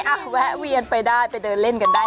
แวะเวียนไปได้ไปเดินเล่นกันได้